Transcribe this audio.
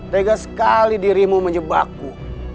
tega sekali dirimu menyebakku